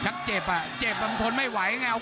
ภูตวรรณสิทธิ์บุญมีน้ำเงิน